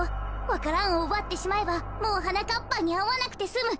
わか蘭をうばってしまえばもうはなかっぱんにあわなくてすむ。